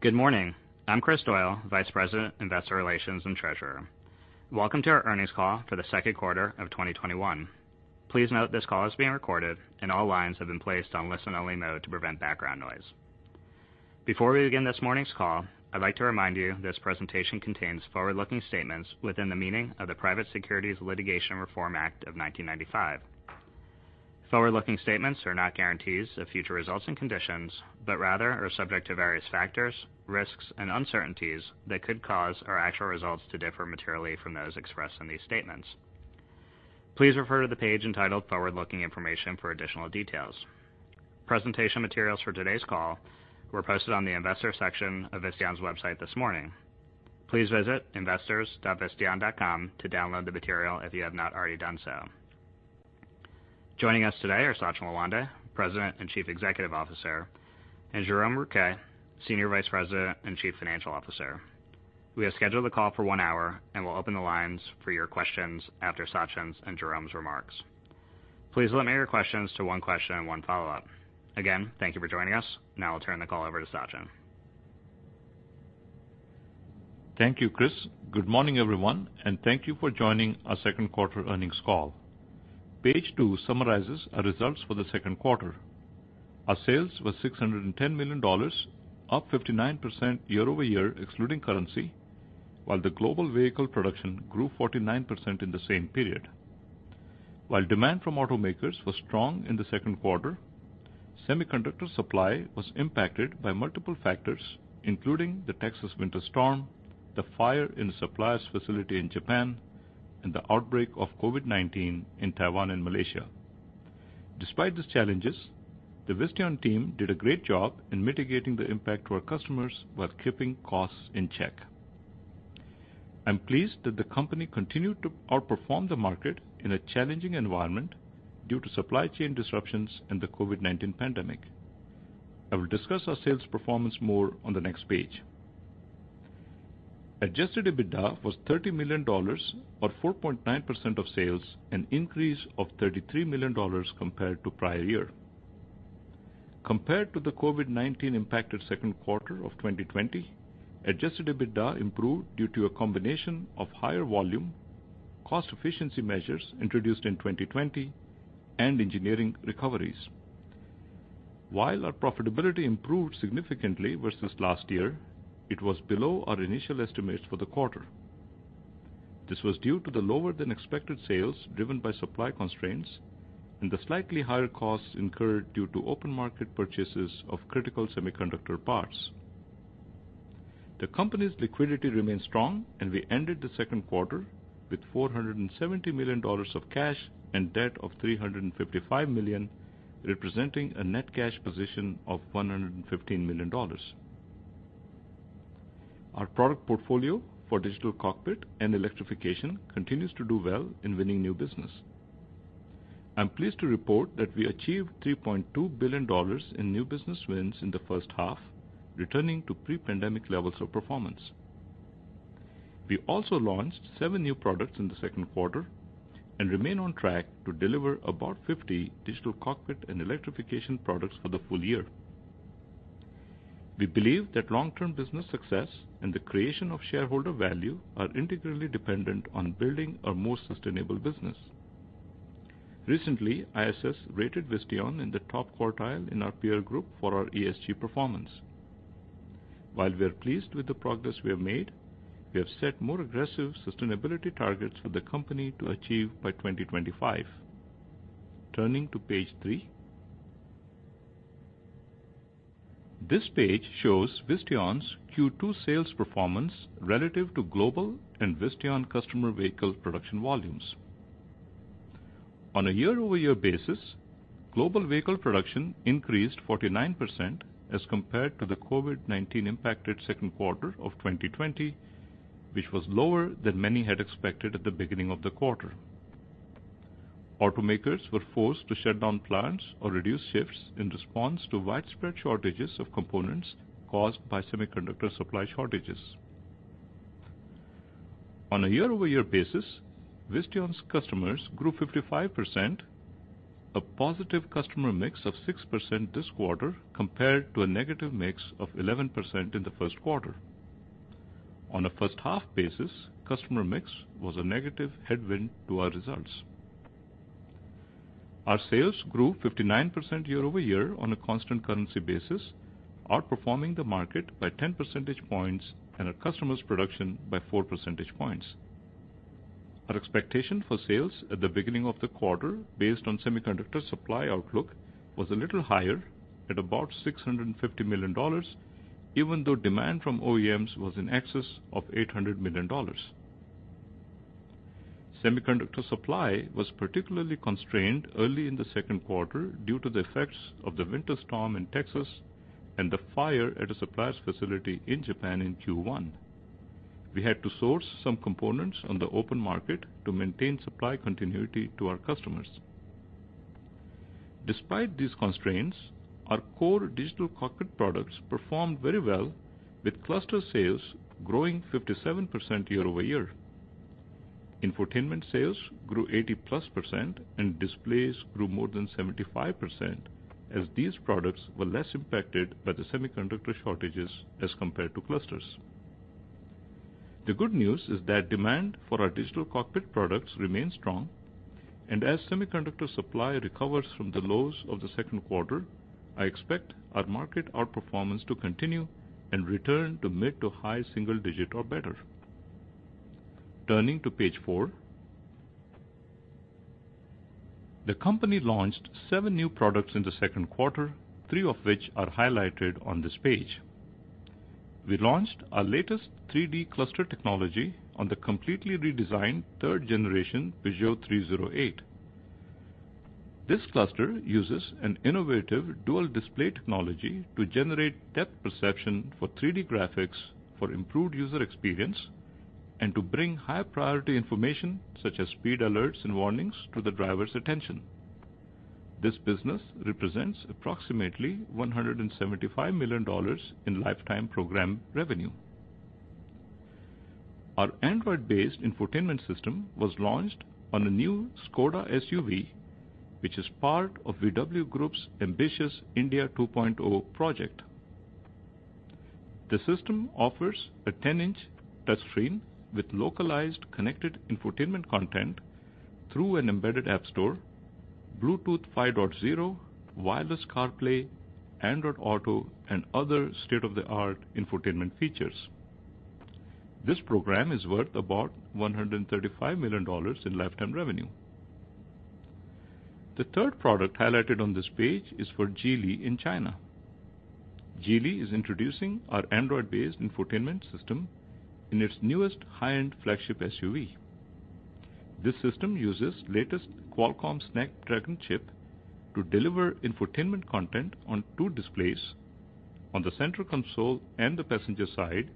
Good morning. I'm Kristopher Doyle, Vice President, Investor Relations and Treasurer. Welcome to our Earnings Call for the Second Quarter of 2021. Please note this call is being recorded, and all lines have been placed on listen-only mode to prevent background noise. Before we begin this morning's call, I'd like to remind you this presentation contains forward-looking statements within the meaning of the Private Securities Litigation Reform Act of 1995. Forward-looking statements are not guarantees of future results and conditions, but rather are subject to various factors, risks, and uncertainties that could cause our actual results to differ materially from those expressed in these statements. Please refer to the page entitled Forward-Looking Information for additional details. Presentation materials for today's call were posted on the investor section of Visteon's website this morning. Please visit investors.visteon.com to download the material if you have not already done so. Joining us today are Sachin Lawande, President and Chief Executive Officer, and Jerome Rouquet, Senior Vice President and Chief Financial Officer. We have scheduled the call for one hour, and we'll open the lines for your questions after Sachin's and Jerome's remarks. Please limit your questions to one question and one follow-up. Again, thank you for joining us. Now I'll turn the call over to Sachin. Thank you, Kris. Good morning, everyone, and thank you for joining our second quarter earnings call. Page two summarizes our results for the second quarter. Our sales were $610 million, up 59% year-over-year excluding currency, while the global vehicle production grew 49% in the same period. While demand from automakers was strong in the second quarter, semiconductor supply was impacted by multiple factors, including the Texas winter storm, the fire in the supplier's facility in Japan, and the outbreak of COVID-19 in Taiwan and Malaysia. Despite these challenges, the Visteon team did a great job in mitigating the impact to our customers while keeping costs in check. I'm pleased that the company continued to outperform the market in a challenging environment due to supply chain disruptions and the COVID-19 pandemic. I will discuss our sales performance more on the next page. Adjusted EBITDA was $30 million or 4.9% of sales, an increase of $33 million compared to prior year. Compared to the COVID-19 impacted second quarter of 2020, adjusted EBITDA improved due to a combination of higher volume, cost efficiency measures introduced in 2020, and engineering recoveries. While our profitability improved significantly versus last year, it was below our initial estimates for the quarter. This was due to the lower than expected sales driven by supply constraints and the slightly higher costs incurred due to open market purchases of critical semiconductor parts. The company's liquidity remains strong, and we ended the second quarter with $470 million of cash and debt of $355 million, representing a net cash position of $115 million. Our product portfolio for digital cockpit and electrification continues to do well in winning new business. I'm pleased to report that we achieved $3.2 billion in new business wins in the first half, returning to pre-pandemic levels of performance. We also launched seven new products in the second quarter and remain on track to deliver about 50 digital cockpit and electrification products for the full year. We believe that long-term business success and the creation of shareholder value are integrally dependent on building a more sustainable business. Recently, ISS rated Visteon in the top quartile in our peer group for our ESG performance. While we are pleased with the progress we have made, we have set more aggressive sustainability targets for the company to achieve by 2025. Turning to page three. This page shows Visteon's Q2 sales performance relative to global and Visteon customer vehicle production volumes. On a year-over-year basis, global vehicle production increased 49% as compared to the COVID-19 impacted second quarter of 2020, which was lower than many had expected at the beginning of the quarter. Automakers were forced to shut down plants or reduce shifts in response to widespread shortages of components caused by semiconductor supply shortages. On a year-over-year basis, Visteon's customers grew 55%, a positive customer mix of 6% this quarter compared to a negative mix of 11% in the first quarter. On a first half basis, customer mix was a negative headwind to our results. Our sales grew 59% year-over-year on a constant currency basis, outperforming the market by 10 percentage points and our customers' production by four percentage points. Our expectation for sales at the beginning of the quarter, based on semiconductor supply outlook, was a little higher at about $650 million, even though demand from OEMs was in excess of $800 million. Semiconductor supply was particularly constrained early in the second quarter due to the effects of the winter storm in Texas and the fire at a supplier's facility in Japan in Q1. We had to source some components on the open market to maintain supply continuity to our customers. Despite these constraints, our core digital cockpit products performed very well, with cluster sales growing 57% year-over-year. Infotainment sales grew 80+%, and displays grew more than 75%, as these products were less impacted by the semiconductor shortages as compared to clusters. The good news is that demand for our digital cockpit products remains strong, and as semiconductor supply recovers from the lows of the second quarter, I expect our market outperformance to continue and return to mid to high single digit or better. Turning to page four. The company launched seven new products in the second quarter, three of which are highlighted on this page. We launched our latest 3D cluster technology on the completely redesigned 3rd generation Peugeot 308. This cluster uses an innovative dual display technology to generate depth perception for 3D graphics for improved user experience and to bring high priority information, such as speed alerts and warnings, to the driver's attention. This business represents approximately $175 million in lifetime program revenue. Our Android-based infotainment system was launched on a new Škoda SUV, which is part of Volkswagen Group's ambitious India 2.0 project. The system offers a 10-inch touchscreen with localized connected infotainment content through an embedded app store, Bluetooth 5.0, wireless CarPlay, Android Auto, and other state-of-the-art infotainment features. This program is worth about $135 million in lifetime revenue. The third product highlighted on this page is for Geely in China. Geely is introducing our Android-based infotainment system in its newest high-end flagship SUV. This system uses latest Qualcomm Snapdragon chip to deliver infotainment content on two displays, on the central console and the passenger side,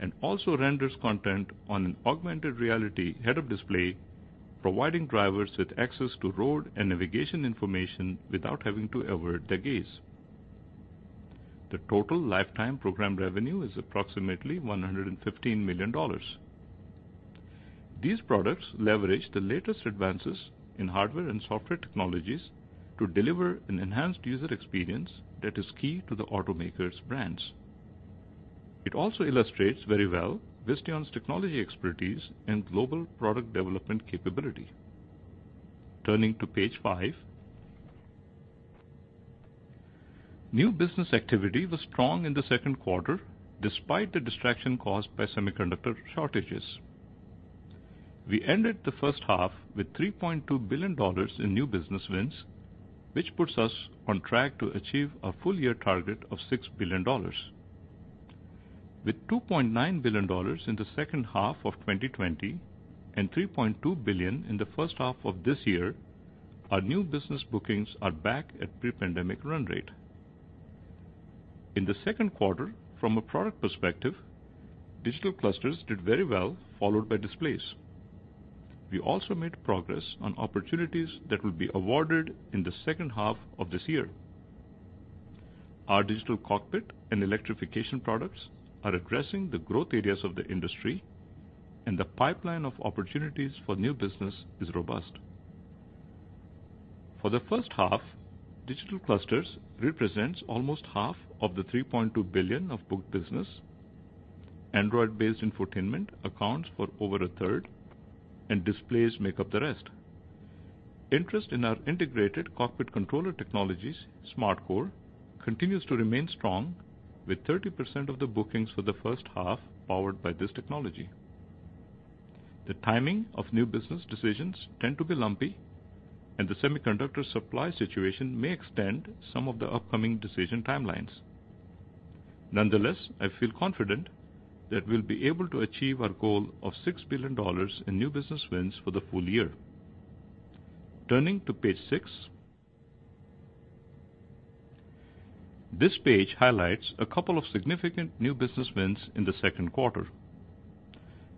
and also renders content on an augmented reality head-up display, providing drivers with access to road and navigation information without having to avert their gaze. The total lifetime program revenue is approximately $115 million. These products leverage the latest advances in hardware and software technologies to deliver an enhanced user experience that is key to the automakers' brands. It also illustrates very well Visteon's technology expertise and global product development capability. Turning to page five. New business activity was strong in the second quarter, despite the distraction caused by semiconductor shortages. We ended the first half with $3.2 billion in new business wins, which puts us on track to achieve our full year target of $6 billion. With $2.9 billion in the second half of 2020 and $3.2 billion in the first half of this year, our new business bookings are back at pre-pandemic run rate. In the second quarter, from a product perspective, digital clusters did very well, followed by displays. We also made progress on opportunities that will be awarded in the second half of this year. Our digital cockpit and electrification products are addressing the growth areas of the industry, and the pipeline of opportunities for new business is robust. For the first half, digital clusters represents almost half of the $3.2 billion of booked business. Android-based infotainment accounts for over a third. Displays make up the rest. Interest in our integrated cockpit controller technologies, SmartCore, continues to remain strong with 30% of the bookings for the first half powered by this technology. The timing of new business decisions tend to be lumpy, and the semiconductor supply situation may extend some of the upcoming decision timelines. Nonetheless, I feel confident that we'll be able to achieve our goal of $6 billion in new business wins for the full year. Turning to page six. This page highlights a couple of significant new business wins in the second quarter.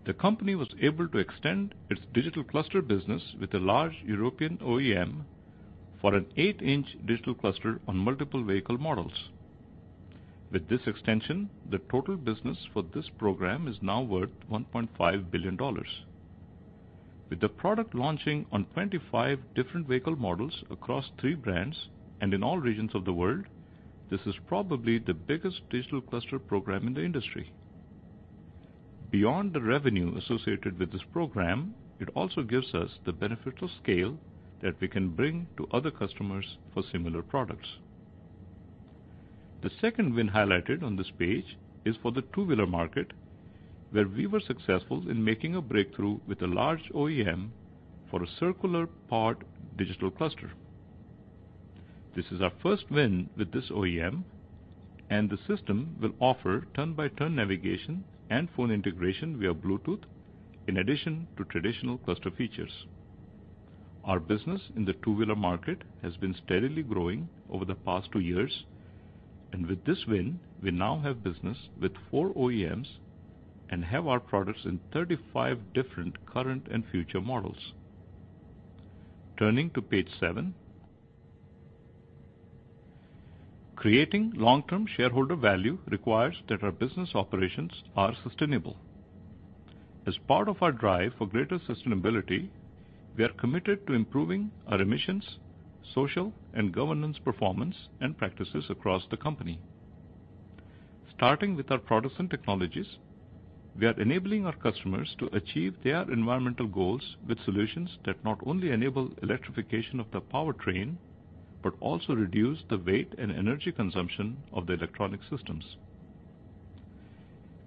The company was able to extend its digital cluster business with a large European OEM for an 8-inch digital cluster on multiple vehicle models. With this extension, the total business for this program is now worth $1.5 billion. With the product launching on 25 different vehicle models across three brands and in all regions of the world, this is probably the biggest digital cluster program in the industry. Beyond the revenue associated with this program, it also gives us the benefit of scale that we can bring to other customers for similar products. The second win highlighted on this page is for the two-wheeler market, where we were successful in making a breakthrough with a large OEM for a circular pod digital cluster. This is our first win with this OEM, and the system will offer turn-by-turn navigation and phone integration via Bluetooth in addition to traditional cluster features. Our business in the two-wheeler market has been steadily growing over the past two years, and with this win, we now have business with four OEMs and have our products in 35 different current and future models. Turning to page seven. Creating long-term shareholder value requires that our business operations are sustainable. As part of our drive for greater sustainability, we are committed to improving our emissions, social, and governance performance and practices across the company. Starting with our products and technologies, we are enabling our customers to achieve their environmental goals with solutions that not only enable electrification of the powertrain, but also reduce the weight and energy consumption of the electronic systems.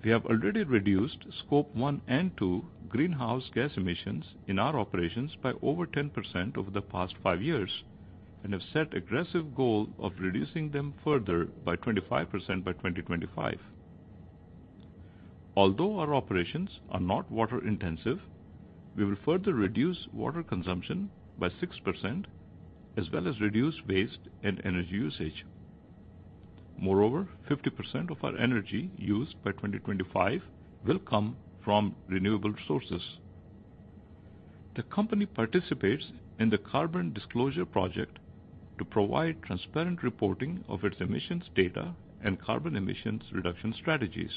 We have already reduced Scope 1 and 2 greenhouse gas emissions in our operations by over 10% over the past five years, and have set aggressive goal of reducing them further by 25% by 2025. Although our operations are not water intensive, we will further reduce water consumption by 6%, as well as reduce waste and energy usage. Moreover, 50% of our energy used by 2025 will come from renewable sources. The company participates in the Carbon Disclosure Project to provide transparent reporting of its emissions data and carbon emissions reduction strategies.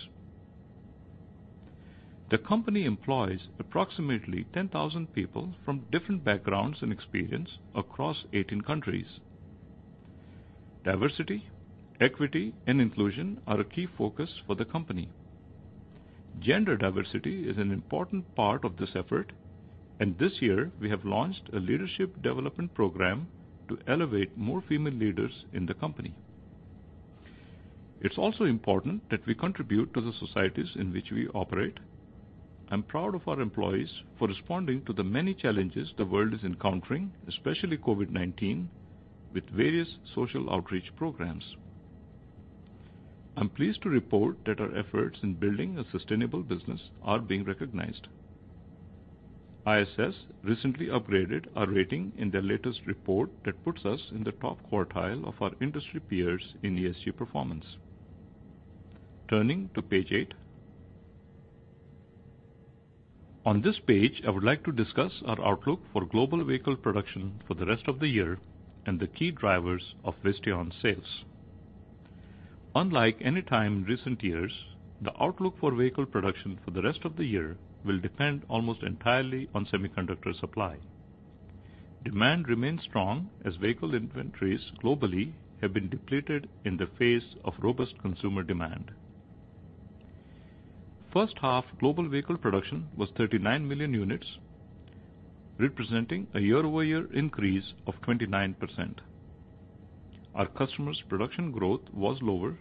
The company employs approximately 10,000 people from different backgrounds and experience across 18 countries. Diversity, equity, and inclusion are a key focus for the company. Gender diversity is an important part of this effort, and this year, we have launched a leadership development program to elevate more female leaders in the company. It's also important that we contribute to the societies in which we operate. I'm proud of our employees for responding to the many challenges the world is encountering, especially COVID-19, with various social outreach programs. I'm pleased to report that our efforts in building a sustainable business are being recognized. ISS recently upgraded our rating in their latest report that puts us in the top quartile of our industry peers in ESG performance. Turning to page eight. On this page, I would like to discuss our outlook for global vehicle production for the rest of the year and the key drivers of Visteon sales. Unlike any time in recent years, the outlook for vehicle production for the rest of the year will depend almost entirely on semiconductor supply. Demand remains strong as vehicle inventories globally have been depleted in the face of robust consumer demand. First half global vehicle production was 39 million units, representing a year-over-year increase of 29%. Our customers' production growth was lower,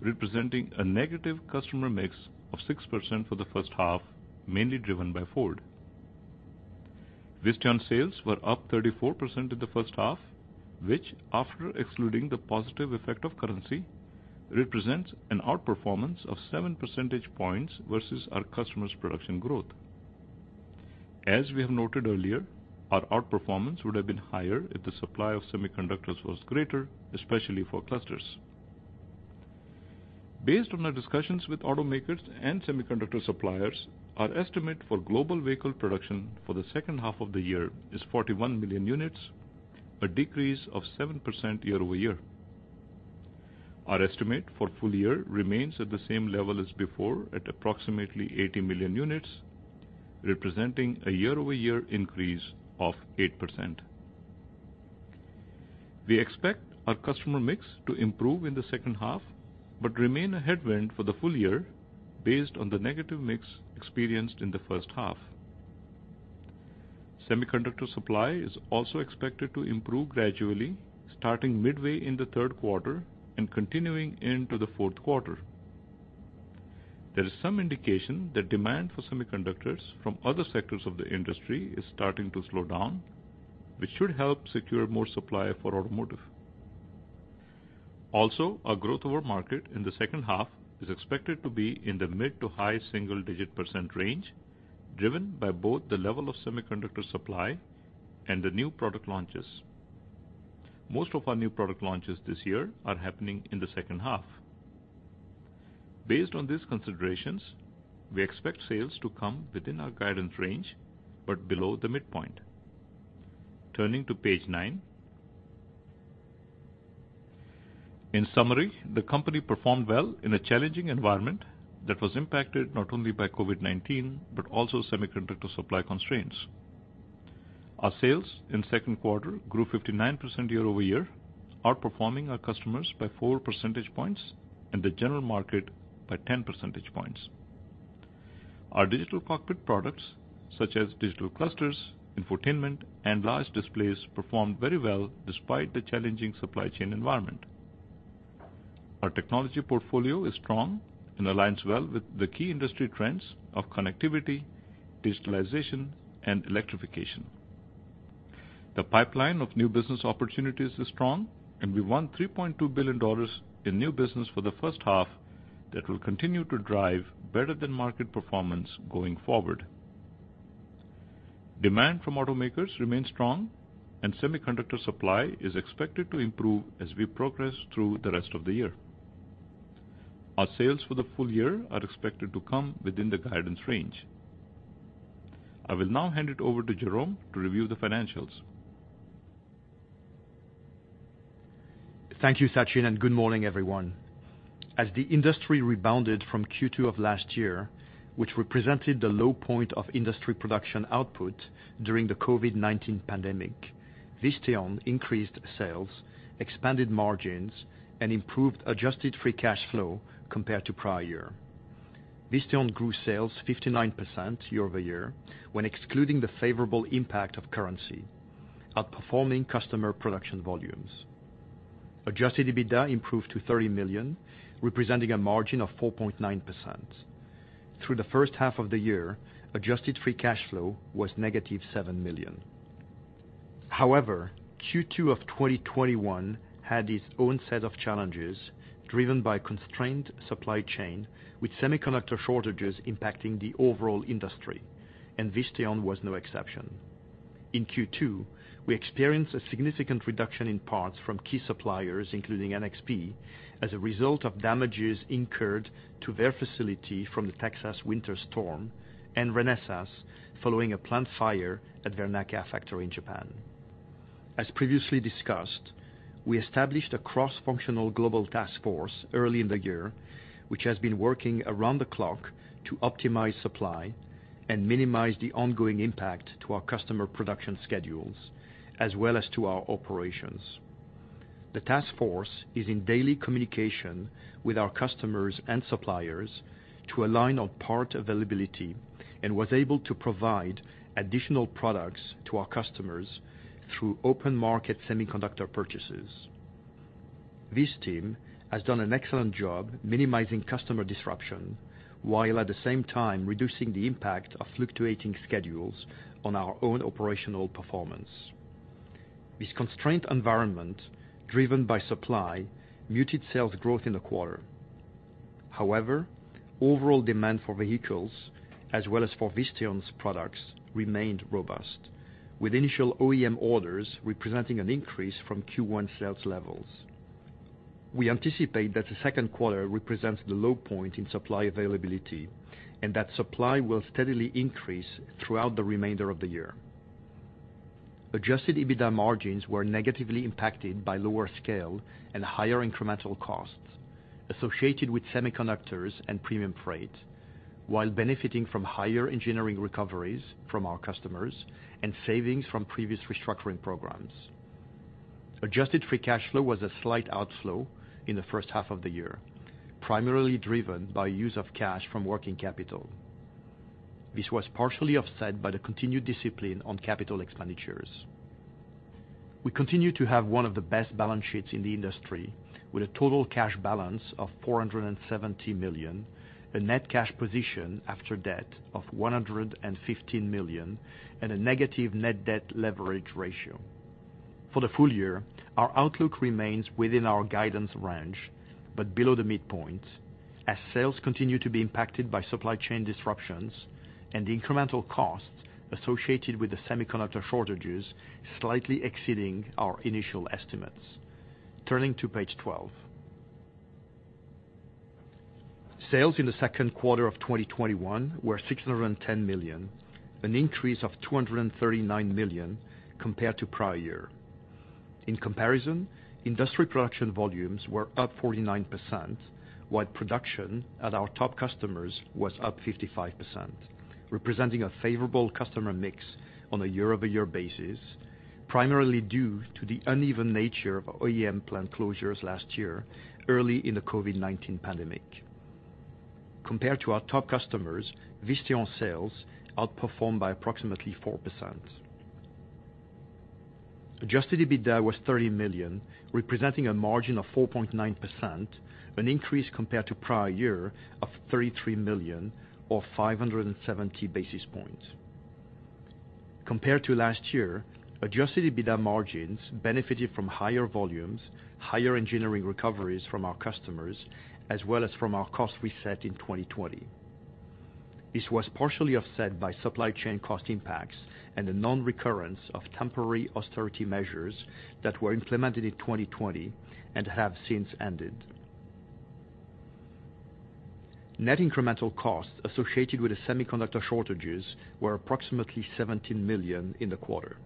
representing a negative customer mix of 6% for the first half, mainly driven by Ford. Visteon sales were up 34% in the first half, which, after excluding the positive effect of currency, represents an outperformance of seven percentage points versus our customers' production growth. As we have noted earlier, our outperformance would have been higher if the supply of semiconductors was greater, especially for clusters. Based on our discussions with automakers and semiconductor suppliers, our estimate for global vehicle production for the second half of the year is 41 million units, a decrease of 7% year-over-year. Our estimate for full year remains at the same level as before at approximately 80 million units, representing a year-over-year increase of 8%. We expect our customer mix to improve in the second half, but remain a headwind for the full year based on the negative mix experienced in the first half. Semiconductor supply is also expected to improve gradually starting midway in the third quarter and continuing into the fourth quarter. There is some indication that demand for semiconductors from other sectors of the industry is starting to slow down, which should help secure more supply for automotive. Also, our growth over market in the second half is expected to be in the mid to high single-digit % range, driven by both the level of semiconductor supply and the new product launches. Most of our new product launches this year are happening in the second half. Based on these considerations, we expect sales to come within our guidance range, but below the midpoint. Turning to page nine. In summary, the company performed well in a challenging environment that was impacted not only by COVID-19, but also semiconductor supply constraints. Our sales in second quarter grew 59% year-over-year, outperforming our customers by four percentage points and the general market by 10 percentage points. Our digital cockpit products such as digital clusters, infotainment, and large displays performed very well despite the challenging supply chain environment. Our technology portfolio is strong and aligns well with the key industry trends of connectivity, digitalization, and electrification. The pipeline of new business opportunities is strong, and we won $3.2 billion in new business for the first half that will continue to drive better than market performance going forward. Demand from automakers remains strong and semiconductor supply is expected to improve as we progress through the rest of the year. Our sales for the full year are expected to come within the guidance range. I will now hand it over to Jerome to review the financials. Thank you, Sachin. Good morning, everyone. As the industry rebounded from Q2 of last year, which represented the low point of industry production output during the COVID-19 pandemic, Visteon increased sales, expanded margins, and improved adjusted free cash flow compared to prior year. Visteon grew sales 59% year-over-year when excluding the favorable impact of currency, outperforming customer production volumes. Adjusted EBITDA improved to $30 million, representing a margin of 4.9%. Through the first half of the year, adjusted free cash flow was -$7 million. Q2 of 2021 had its own set of challenges, driven by constrained supply chain, with semiconductor shortages impacting the overall industry, and Visteon was no exception. In Q2, we experienced a significant reduction in parts from key suppliers, including NXP, as a result of damages incurred to their facility from the Texas winter storm, and Renesas, following a plant fire at their Nagoya factory in Japan. As previously discussed, we established a cross-functional global task force early in the year, which has been working around the clock to optimize supply and minimize the ongoing impact to our customer production schedules, as well as to our operations. The task force is in daily communication with our customers and suppliers to align on part availability and was able to provide additional products to our customers through open-market semiconductor purchases. This team has done an excellent job minimizing customer disruption while at the same time reducing the impact of fluctuating schedules on our own operational performance. This constrained environment, driven by supply, muted sales growth in the quarter. Overall demand for vehicles, as well as for Visteon's products, remained robust, with initial OEM orders representing an increase from Q1 sales levels. We anticipate that the second quarter represents the low point in supply availability, and that supply will steadily increase throughout the remainder of the year. Adjusted EBITDA margins were negatively impacted by lower scale and higher incremental costs associated with semiconductors and premium freight, while benefiting from higher engineering recoveries from our customers and savings from previous restructuring programs. Adjusted free cash flow was a slight outflow in the first half of the year, primarily driven by use of cash from working capital. This was partially offset by the continued discipline on capital expenditures. We continue to have one of the best balance sheets in the industry with a total cash balance of $470 million, a net cash position after debt of $115 million, and a negative net debt leverage ratio. For the full year, our outlook remains within our guidance range, but below the midpoint as sales continue to be impacted by supply chain disruptions and the incremental costs associated with the semiconductor shortages slightly exceeding our initial estimates. Turning to page 12. Sales in the second quarter of 2021 were $610 million, an increase of $239 million compared to prior year. In comparison, industry production volumes were up 49%, while production at our top customers was up 55%, representing a favorable customer mix on a year-over-year basis, primarily due to the uneven nature of OEM plant closures last year, early in the COVID-19 pandemic. Compared to our top customers, Visteon sales outperformed by approximately 4%. Adjusted EBITDA was $30 million, representing a margin of 4.9%, an increase compared to prior year of $33 million or 570 basis points. Compared to last year, adjusted EBITDA margins benefited from higher volumes, higher engineering recoveries from our customers, as well as from our cost reset in 2020. This was partially offset by supply chain cost impacts and the non-recurrence of temporary austerity measures that were implemented in 2020 and have since ended. Net incremental costs associated with the semiconductor shortages were approximately $17 million in the quarter.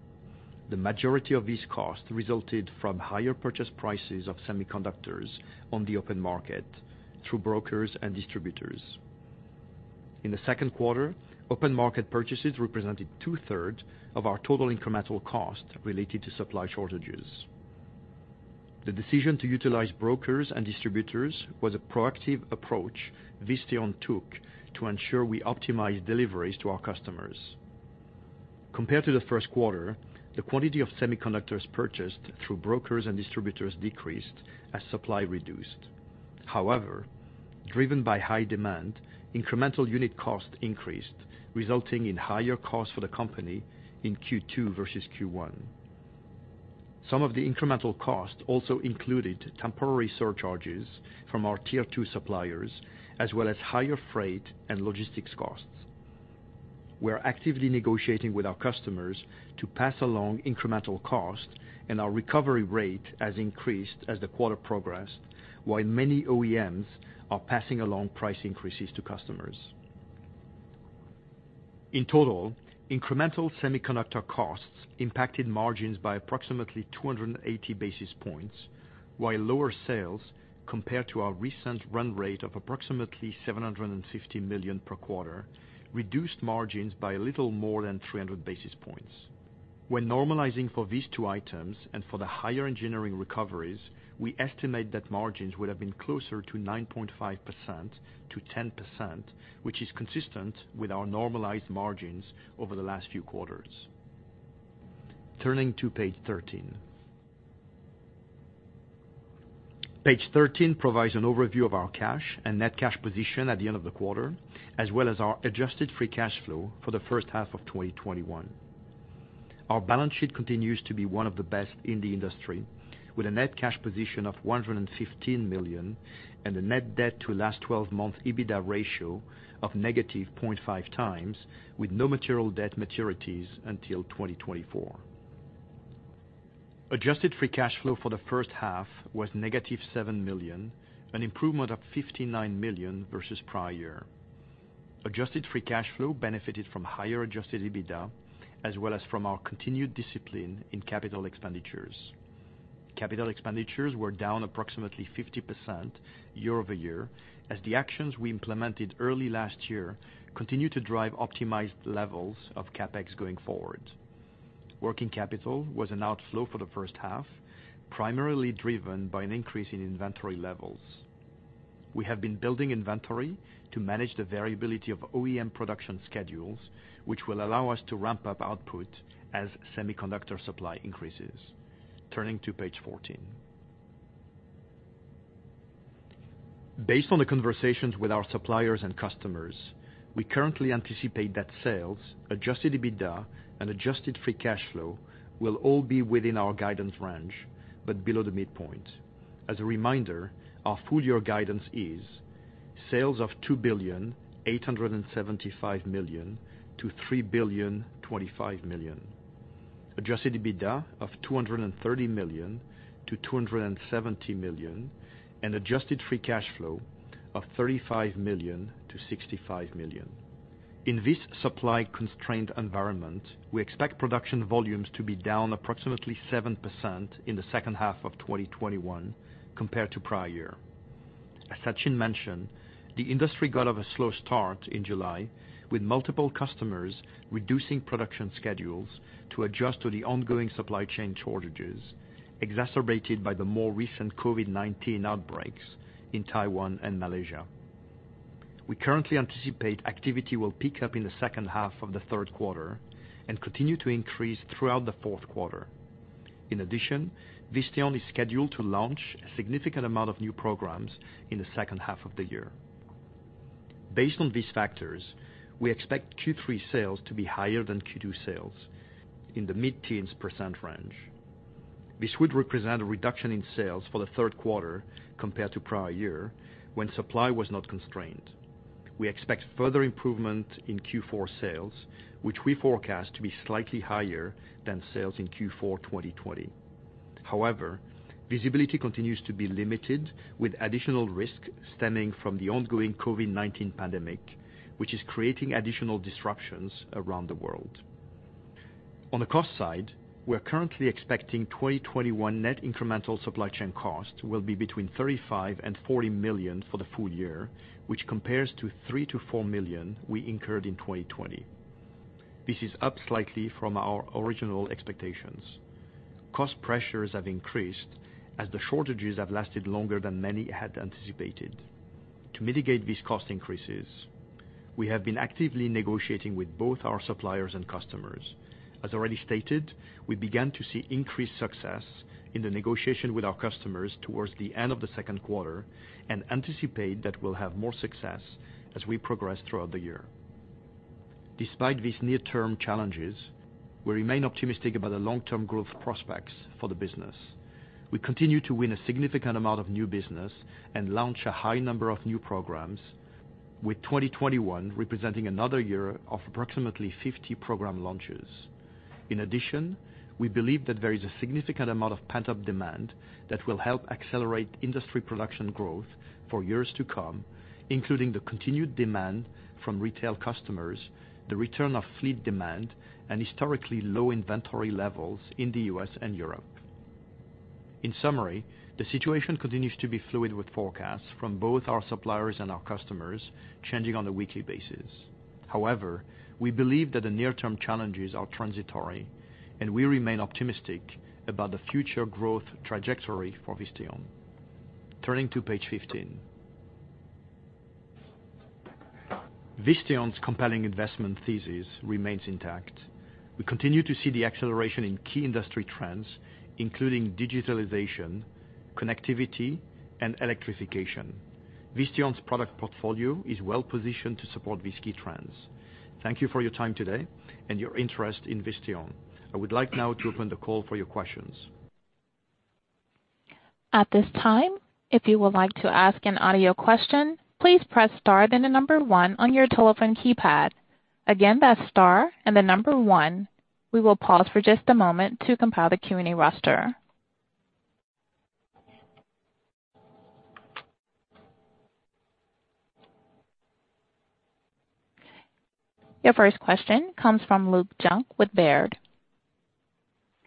The majority of these costs resulted from higher purchase prices of semiconductors on the open market through brokers and distributors. In the second quarter, open-market purchases represented 2/3 of our total incremental cost related to supply shortages. The decision to utilize brokers and distributors was a proactive approach Visteon took to ensure we optimize deliveries to our customers. Compared to the first quarter, the quantity of semiconductors purchased through brokers and distributors decreased as supply reduced. Driven by high demand, incremental unit cost increased, resulting in higher costs for the company in Q2 versus Q1. Some of the incremental costs also included temporary surcharges from our Tier 2 suppliers, as well as higher freight and logistics costs. We are actively negotiating with our customers to pass along incremental cost, and our recovery rate has increased as the quarter progressed, while many OEMs are passing along price increases to customers. In total, incremental semiconductor costs impacted margins by approximately 280 basis points, while lower sales, compared to our recent run rate of approximately $750 million per quarter, reduced margins by a little more than 300 basis points. When normalizing for these two items and for the higher engineering recoveries, we estimate that margins would have been closer to 9.5%-10%, which is consistent with our normalized margins over the last few quarters. Turning to page 13. Page 13 provides an overview of our cash and net cash position at the end of the quarter, as well as our adjusted free cash flow for the first half of 2021. Our balance sheet continues to be one of the best in the industry, with a net cash position of $115 million and a net debt to last 12-month EBITDA ratio of -0.5x, with no material debt maturities until 2024. Adjusted free cash flow for the first half was -$7 million, an improvement of $59 million versus prior year. Adjusted free cash flow benefited from higher adjusted EBITDA, as well as from our continued discipline in capital expenditures. Capital expenditures were down approximately 50% year-over-year, as the actions we implemented early last year continue to drive optimized levels of CapEx going forward. Working capital was an outflow for the first half, primarily driven by an increase in inventory levels. We have been building inventory to manage the variability of OEM production schedules, which will allow us to ramp up output as semiconductor supply increases. Turning to page 14. Based on the conversations with our suppliers and customers, we currently anticipate that sales, adjusted EBITDA, and adjusted free cash flow will all be within our guidance range, but below the midpoint. As a reminder, our full-year guidance is sales of $2.875 billion-$3.025 billion. Adjusted EBITDA of $230 million-$270 million, and adjusted free cash flow of $35 million-$65 million. In this supply-constrained environment, we expect production volumes to be down approximately 7% in the second half of 2021 compared to prior year. As Sachin mentioned, the industry got off a slow start in July, with multiple customers reducing production schedules to adjust to the ongoing supply chain shortages, exacerbated by the more recent COVID-19 outbreaks in Taiwan and Malaysia. We currently anticipate activity will pick up in the second half of the third quarter and continue to increase throughout the fourth quarter. In addition, Visteon is scheduled to launch a significant amount of new programs in the second half of the year. Based on these factors, we expect Q3 sales to be higher than Q2 sales in the mid-teens percent range. This would represent a reduction in sales for the third quarter compared to prior year, when supply was not constrained. We expect further improvement in Q4 sales, which we forecast to be slightly higher than sales in Q4 2020. Visibility continues to be limited, with additional risk stemming from the ongoing COVID-19 pandemic, which is creating additional disruptions around the world. On the cost side, we are currently expecting 2021 net incremental supply chain costs will be between $35 million and $40 million for the full year, which compares to $3 million-$4 million we incurred in 2020. This is up slightly from our original expectations. Cost pressures have increased as the shortages have lasted longer than many had anticipated. To mitigate these cost increases, we have been actively negotiating with both our suppliers and customers. As already stated, we began to see increased success in the negotiation with our customers towards the end of the second quarter and anticipate that we'll have more success as we progress throughout the year. Despite these near-term challenges, we remain optimistic about the long-term growth prospects for the business. We continue to win a significant amount of new business and launch a high number of new programs, with 2021 representing another year of approximately 50 program launches. We believe that there is a significant amount of pent-up demand that will help accelerate industry production growth for years to come, including the continued demand from retail customers, the return of fleet demand, and historically low inventory levels in the U.S. and Europe. The situation continues to be fluid, with forecasts from both our suppliers and our customers changing on a weekly basis. However, we believe that the near-term challenges are transitory, and we remain optimistic about the future growth trajectory for Visteon. Turning to page 15. Visteon's compelling investment thesis remains intact. We continue to see the acceleration in key industry trends, including digitalization, connectivity, and electrification. Visteon's product portfolio is well-positioned to support these key trends. Thank you for your time today and your interest in Visteon. I would like now to open the call for your questions. At this time, if you would like to ask an audio question, please press star then the number one on your telephone keypad. Again, that's star and the number one. We will pause for just a moment to compile the Q&A roster. Your first question comes from Luke Junk with Baird.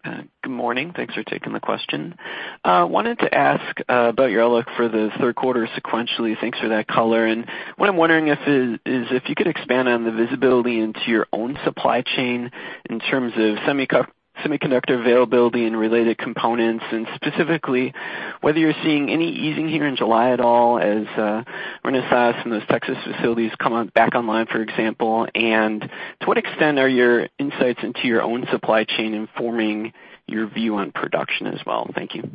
Good morning. Thanks for taking the question. Wanted to ask about your outlook for the third quarter sequentially. Thanks for that color, and what I'm wondering is if you could expand on the visibility into your own supply chain in terms of semiconductor availability and related components, and specifically whether you're seeing any easing here in July at all as Renesas and those Texas facilities come back online, for example, and to what extent are your insights into your own supply chain informing your view on production as well? Thank you.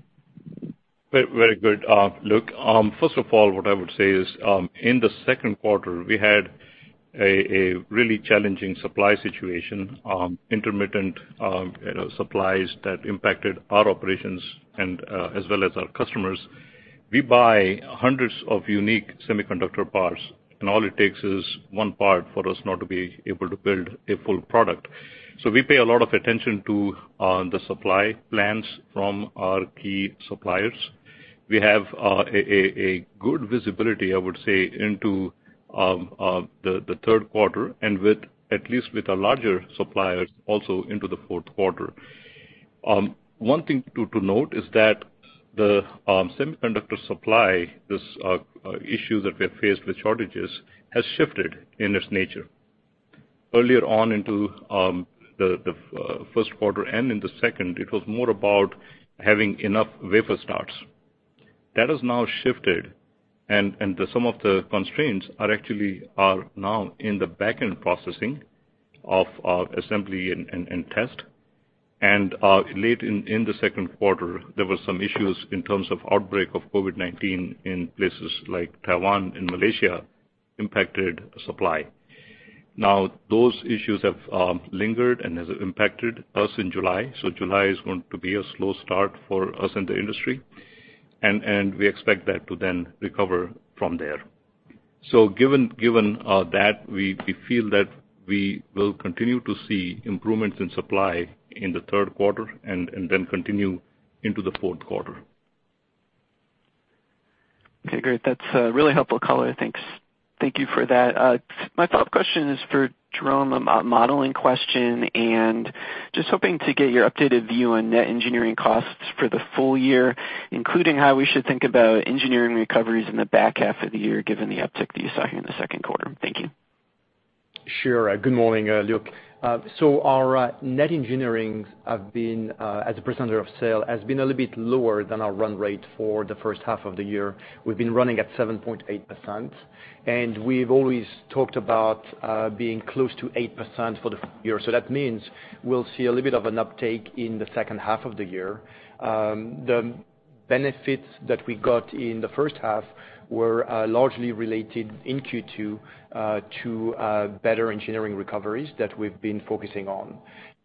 Very good, Luke. First of all, what I would say is, in the second quarter, we had a really challenging supply situation, intermittent supplies that impacted our operations as well as our customers. We buy hundreds of unique semiconductor parts, and all it takes is one part for us not to be able to build a full product. We pay a lot of attention to the supply plans from our key suppliers. We have a good visibility, I would say, into the third quarter, and at least with the larger suppliers, also into the fourth quarter. One thing to note is that the semiconductor supply, this issue that we have faced with shortages, has shifted in its nature. Earlier on into the first quarter and in the second, it was more about having enough wafer starts. That has now shifted, and some of the constraints are actually now in the backend processing of our assembly and test. Late in the second quarter, there were some issues in terms of outbreak of COVID-19 in places like Taiwan and Malaysia impacted supply. Those issues have lingered and has impacted us in July. July is going to be a slow start for us in the industry, and we expect that to then recover from there. Given that, we feel that we will continue to see improvements in supply in the third quarter and then continue into the fourth quarter. Okay, great. That's a really helpful color. Thanks. Thank you for that. My follow-up question is for Jerome, a modeling question, just hoping to get your updated view on net engineering costs for the full year, including how we should think about engineering recoveries in the back half of the year, given the uptick that you saw here in the second quarter. Thank you. Sure. Good morning, Luke. Our net engineering, as a percentage of sale, has been a little bit lower than our run rate for the first half of the year. We've been running at 7.8%, and we've always talked about being close to 8% for the full year. That means we'll see a little bit of an uptick in the second half of the year. The benefits that we got in the first half were largely related in Q2 to better engineering recoveries that we've been focusing on.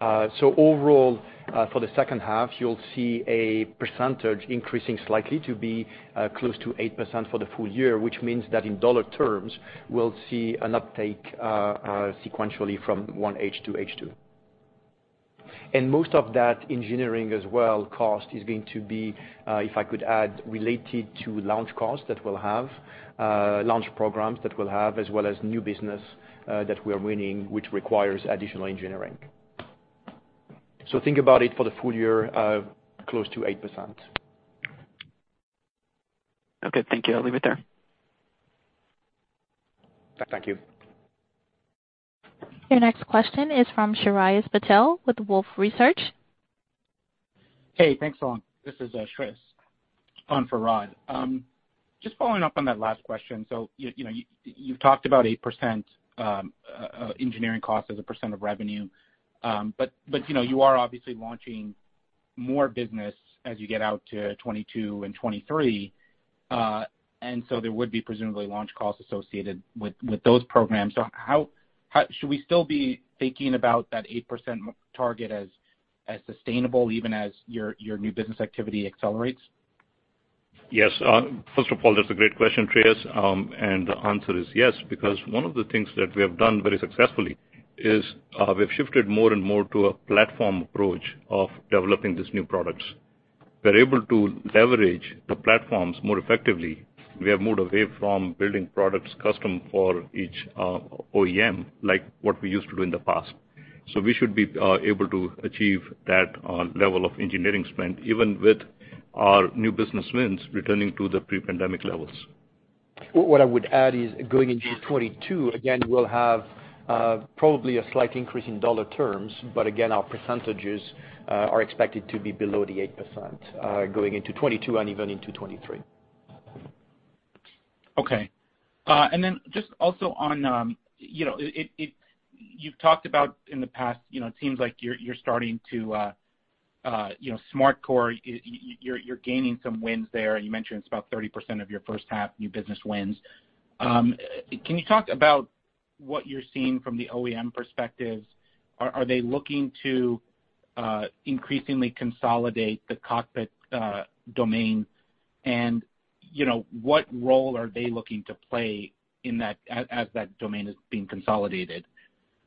Overall, for the second half, you'll see a percentage increasing slightly to be close to 8% for the full year, which means that in dollar terms, we'll see an uptick sequentially from 1H-H2. Most of that engineering as well cost is going to be, if I could add, related to launch costs that we'll have, launch programs that we'll have, as well as new business that we are winning, which requires additional engineering. Think about it for the full year, close to 8%. Okay, thank you. I'll leave it there. Thank you. Your next question is from Shreyas Patil with Wolfe Research. Hey, thanks a lot. This is Shreyas on for Rod. Just following up on that last question. You've talked about 8% engineering cost as a percent of revenue. You are obviously launching more business as you get out to 2022 and 2023. There would be presumably launch costs associated with those programs. Should we still be thinking about that 8% target as sustainable even as your new business activity accelerates? Yes. First of all, that's a great question, Shreyas. The answer is yes, because one of the things that we have done very successfully is we've shifted more and more to a platform approach of developing these new products. We're able to leverage the platforms more effectively. We have moved away from building products custom for each OEM, like what we used to do in the past. We should be able to achieve that level of engineering spend even with our new business wins returning to the pre-pandemic levels. What I would add is going into 2022, again, we'll have probably a slight increase in dollar terms, but again, our percentages are expected to be below the 8% going into 2022 and even into 2023. Okay. Then just also on, you've talked about in the past, it seems like you're starting to SmartCore, you're gaining some wins there, and you mentioned it's about 30% of your first half new business wins. Can you talk about what you're seeing from the OEM perspective? Are they looking to increasingly consolidate the cockpit domain? What role are they looking to play as that domain is being consolidated?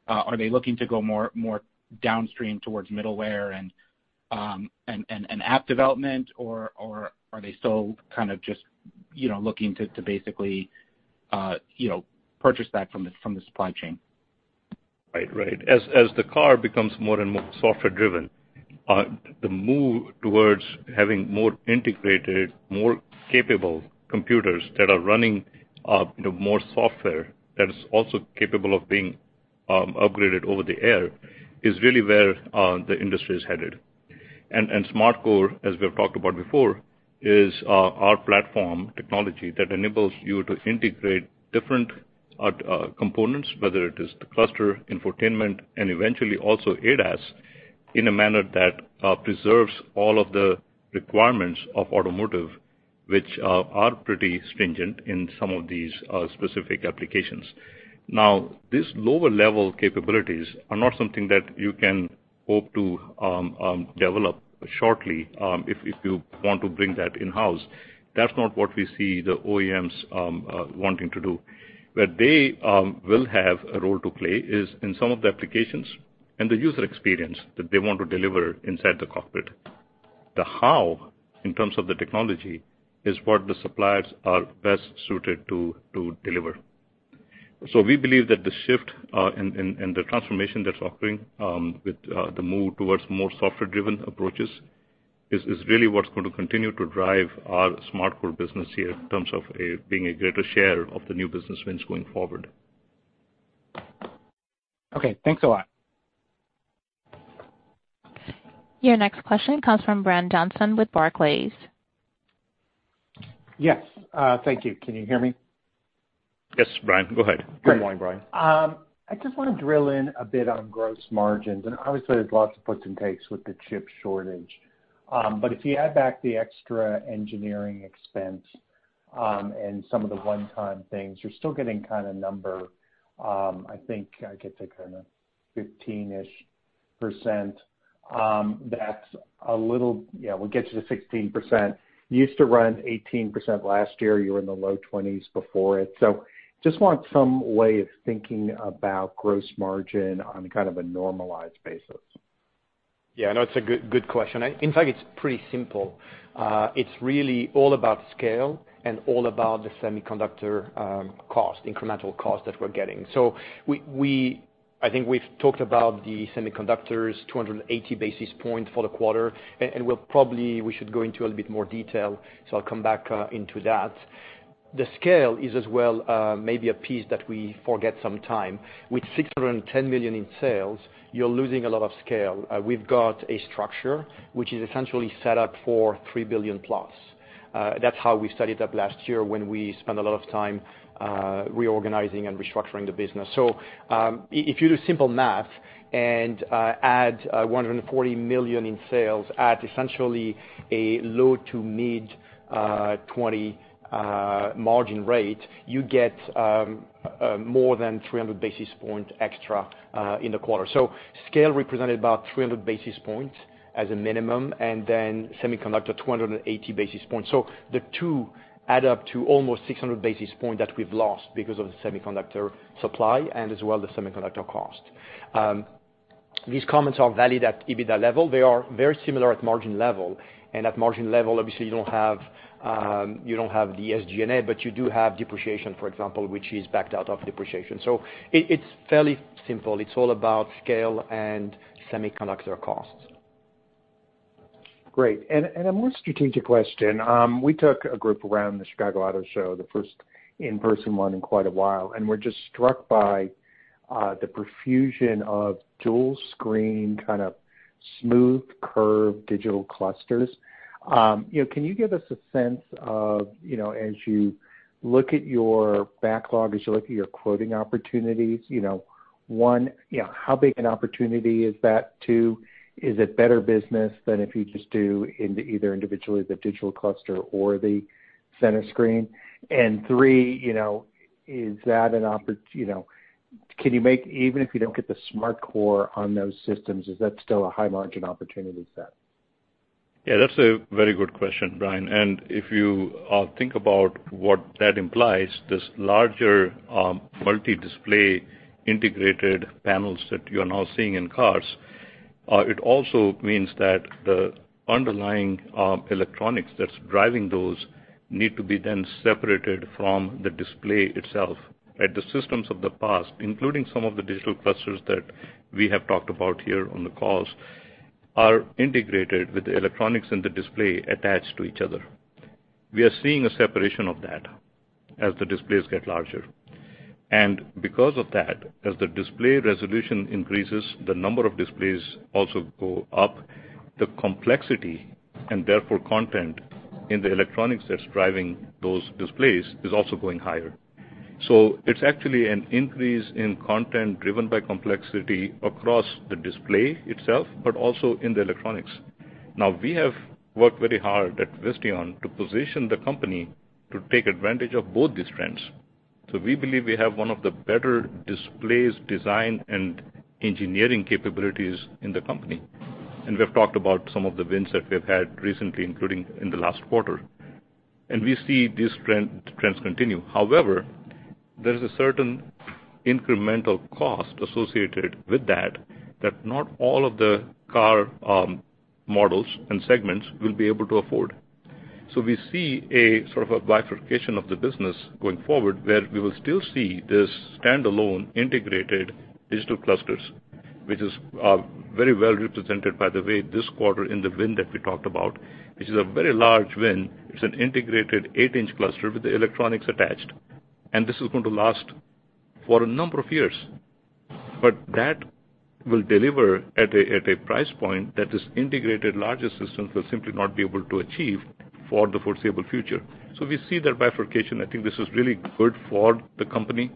Are they looking to go more downstream towards middleware and app development? Are they still kind of just looking to basically purchase that from the supply chain? Right. As the car becomes more and more software driven, the move towards having more integrated, more capable computers that are running more software that is also capable of being upgraded over the air is really where the industry is headed. SmartCore, as we've talked about before, is our platform technology that enables you to integrate different components, whether it is the cluster, infotainment, and eventually also ADAS, in a manner that preserves all of the requirements of automotive, which are pretty stringent in some of these specific applications. These lower level capabilities are not something that you can hope to develop shortly, if you want to bring that in-house. That's not what we see the OEMs wanting to do. Where they will have a role to play is in some of the applications and the user experience that they want to deliver inside the cockpit. The how, in terms of the technology, is what the suppliers are best suited to deliver. We believe that the shift and the transformation that's occurring with the move towards more software-driven approaches is really what's going to continue to drive our SmartCore business here in terms of being a greater share of the new business wins going forward. Okay, thanks a lot. Your next question comes from Brian Johnson with Barclays. Yes. Thank you. Can you hear me? Yes, Brian, go ahead. Good morning, Brian. I just want to drill in a bit on gross margins, and obviously there's lots of puts and takes with the chip shortage. If you add back the extra engineering expense, and some of the one-time things, you're still getting kind of number, I think, I could say kind of 15-ish%. That's a little, yeah, we'll get you to 16%. You used to run 18% last year. You were in the low 20s before it. Just want some way of thinking about gross margin on kind of a normalized basis. Yeah, no, it's a good question. In fact, it's pretty simple. It's really all about scale and all about the semiconductor cost, incremental cost that we're getting. I think we've talked about the semiconductors, 280 basis points for the quarter, and we should go into a little bit more detail, I'll come back into that. The scale is as well, maybe a piece that we forget sometime. With $610 million in sales, you're losing a lot of scale. We've got a structure which is essentially set up for $3 billion+. That's how we set it up last year when we spent a lot of time reorganizing and restructuring the business. If you do simple math and add $140 million in sales at essentially a low to mid 20% margin rate, you get more than 300 basis points extra in the quarter. Scale represented about 300 basis points as a minimum, and then semiconductor, 280 basis points. The two add up to almost 600 basis point that we've lost because of the semiconductor supply and as well the semiconductor cost. These comments are valid at EBITDA level. They are very similar at margin level, and at margin level, obviously you don't have the SG&A, but you do have depreciation, for example, which is backed out of depreciation. It's fairly simple. It's all about scale and semiconductor costs. Great. A more strategic question. We took a group around the Chicago Auto Show, the first in-person one in quite a while, and we're just struck by the profusion of dual screen, kind of smooth curve digital clusters. Can you give us a sense of, as you look at your backlog, as you look at your quoting opportunities, one, how big an opportunity is that? Two, is it better business than if you just do into either individually the digital cluster or the center screen? Three, even if you don't get the SmartCore on those systems, is that still a high margin opportunity set? Yeah, that's a very good question, Brian. If you think about what that implies, this larger, multi-display integrated panels that you're now seeing in cars, it also means that the underlying electronics that's driving those need to be then separated from the display itself. The systems of the past, including some of the digital clusters that we have talked about here on the calls, are integrated with the electronics and the display attached to each other. We are seeing a separation of that as the displays get larger. Because of that, as the display resolution increases, the number of displays also go up, the complexity and therefore content in the electronics that's driving those displays is also going higher. It's actually an increase in content driven by complexity across the display itself, but also in the electronics. We have worked very hard at Visteon to position the company to take advantage of both these trends. We believe we have one of the better displays design and engineering capabilities in the company. We've talked about some of the wins that we've had recently, including in the last quarter. We see these trends continue. However, there's a certain incremental cost associated with that not all of the car models and segments will be able to afford. We see a sort of a bifurcation of the business going forward, where we will still see this standalone integrated digital clusters, which is very well represented by the way this quarter in the win that we talked about, which is a very large win. It's an integrated 8-inch cluster with the electronics attached, and this is going to last for a number of years. That will deliver at a price point that this integrated larger systems will simply not be able to achieve for the foreseeable future. We see that bifurcation. I think this is really good for the company,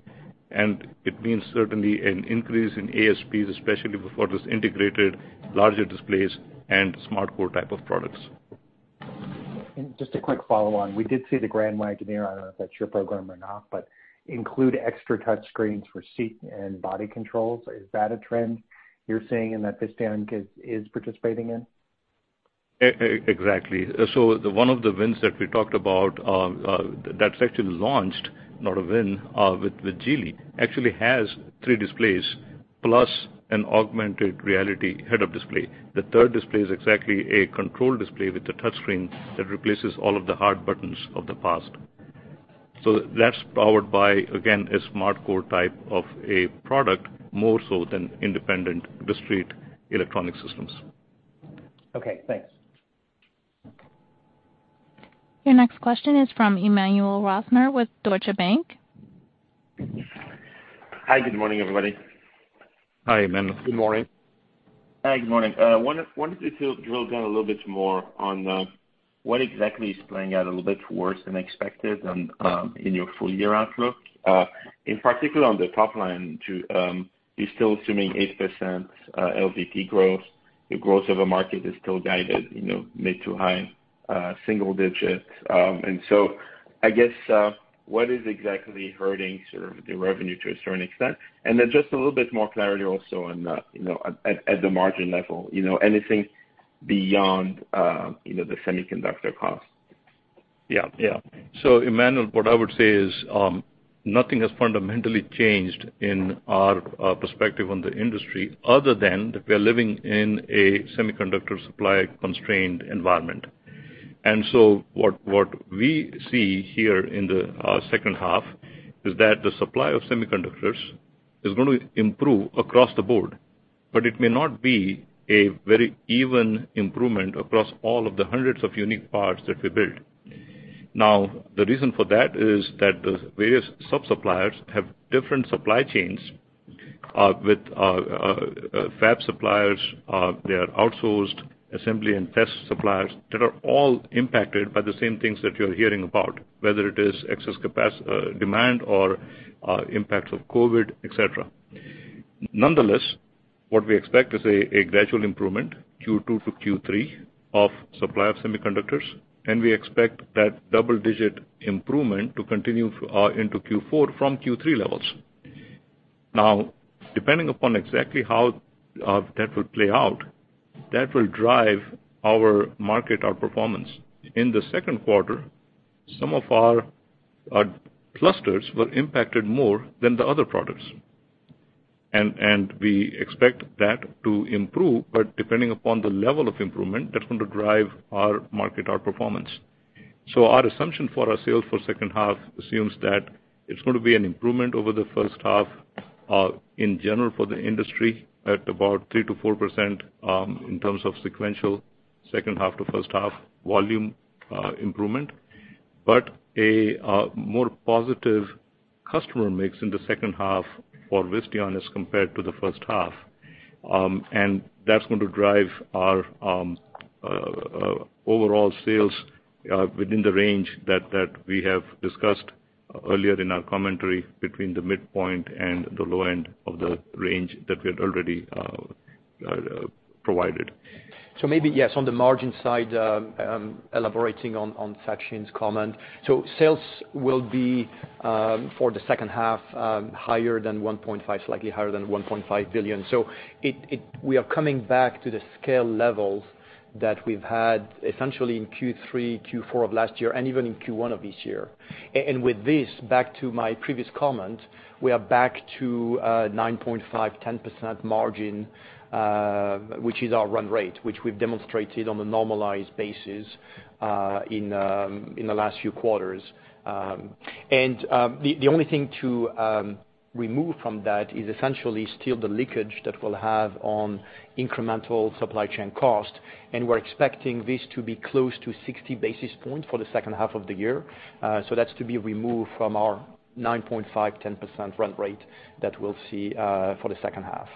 and it means certainly an increase in ASPs, especially for those integrated larger displays and SmartCore type of products. Just a quick follow-on. We did see the Grand Wagoneer, I don't know if that's your program or not, but include extra touch screens for seat and body controls. Is that a trend you're seeing and that Visteon is participating in? Exactly. One of the wins that we talked about, that's actually launched, not a win, with Geely, actually has three displays plus an augmented reality head-up display. The third display is exactly a control display with a touch screen that replaces all of the hard buttons of the past. That's powered by, again, a SmartCore type of a product, more so than independent discrete electronic systems. Okay, thanks. Your next question is from Emmanuel Rosner with Deutsche Bank. Hi, good morning, everybody. Hi, Emmanuel. Good morning. Hi, good morning. I wanted to drill down a little bit more on what exactly is playing out a little bit worse than expected on, in your full-year outlook. In particular, on the top line, you're still assuming 8% LVP growth. The growth over market is still guided mid to high single digit. I guess, what is exactly hurting sort of the revenue to a certain extent? Just a little bit more clarity also on at the margin level, anything beyond the semiconductor cost. Emmanuel, what I would say is, nothing has fundamentally changed in our perspective on the industry other than that we are living in a semiconductor supply-constrained environment. What we see here in the second half is that the supply of semiconductors is going to improve across the board, but it may not be a very even improvement across all of the hundreds of unique parts that we build. The reason for that is that the various sub-suppliers have different supply chains, with fab suppliers, their outsourced assembly and test suppliers that are all impacted by the same things that you're hearing about, whether it is excess demand or impacts of COVID, et cetera. What we expect is a gradual improvement, Q2-Q3, of supply of semiconductors, and we expect that double-digit improvement to continue into Q4 from Q3 levels. Depending upon exactly how that will play out, that will drive our market outperformance. In the second quarter, some of our clusters were impacted more than the other products. We expect that to improve, but depending upon the level of improvement, that's going to drive our market outperformance. Our assumption for our sales for second half assumes that it's going to be an improvement over the first half, in general for the industry, at about 3%-4% in terms of sequential second half to first half volume improvement. A more positive customer mix in the second half for Visteon as compared to the first half. That's going to drive our overall sales within the range that we have discussed earlier in our commentary between the midpoint and the low end of the range that we had already provided. Maybe yes, on the margin side, elaborating on Sachin's comment. Sales will be, for the second half, slightly higher than $1.5 billion. We are coming back to the scale levels that we've had essentially in Q3, Q4 of last year, and even in Q1 of this year. With this, back to my previous comment, we are back to 9.5%-10% margin, which is our run rate, which we've demonstrated on a normalized basis in the last few quarters. The only thing to remove from that is essentially still the leakage that we'll have on incremental supply chain cost, and we're expecting this to be close to 60 basis points for the second half of the year. That's to be removed from our 9.5%-10% run rate that we'll see for the second half.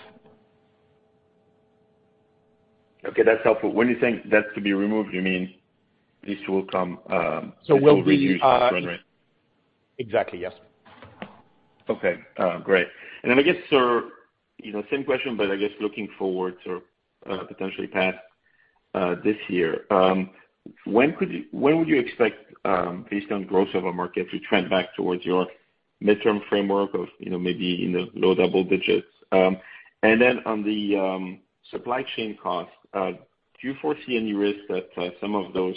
Okay, that's helpful. When you think that's to be removed, you mean this will. We'll be. It will reduce our run rate. Exactly, yes. Okay, great. Then I guess, same question, I guess looking forward to potentially past this year. When would you expect, based on growth of a market, to trend back towards your midterm framework of maybe in the low double digits. Then on the supply chain costs, do you foresee any risk that some of those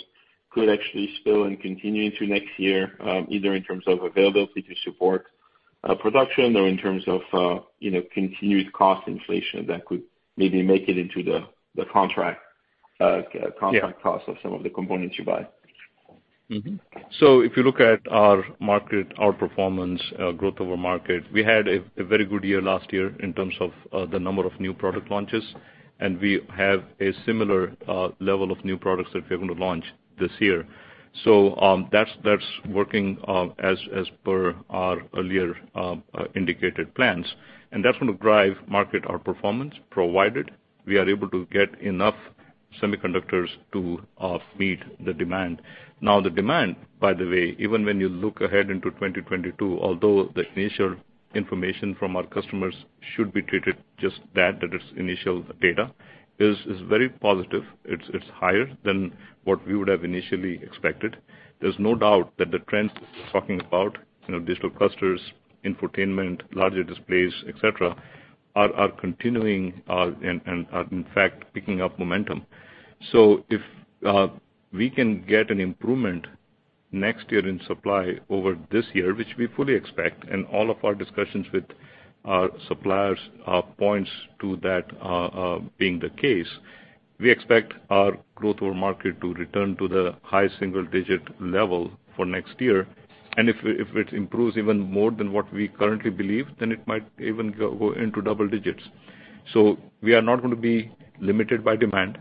could actually spill and continue into next year, either in terms of availability to support production or in terms of continued cost inflation that could maybe make it into the contract— Yeah. —cost of some of the components you buy? If you look at our market outperformance, growth over market, we had a very good year last year in terms of the number of new product launches, and we have a similar level of new products that we're going to launch this year. That's working as per our earlier indicated plans, and that's going to drive market outperformance, provided we are able to get enough semiconductors to meet the demand. The demand, by the way, even when you look ahead into 2022, although the initial information from our customers should be treated just that it's initial data, is very positive. It's higher than what we would have initially expected. There's no doubt that the trends we're talking about, digital clusters, infotainment, larger displays, et cetera, are continuing, and are in fact, picking up momentum. If we can get an improvement next year in supply over this year, which we fully expect, and all of our discussions with our suppliers points to that being the case, we expect our growth over market to return to the high single-digit level for next year. If it improves even more than what we currently believe, then it might even go into double digits. We are not going to be limited by demand.